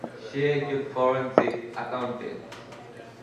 সে একজন forensic accountant.